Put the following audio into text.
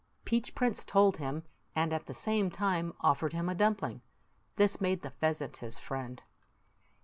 Peach Prince told him, and at the same time offered him a dumpling. This made the pheasant his friend.